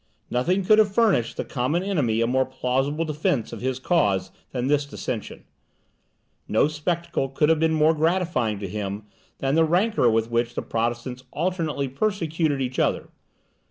Nothing could have furnished the common enemy a more plausible defence of his cause than this dissension; no spectacle could have been more gratifying to him than the rancour with which the Protestants alternately persecuted each other.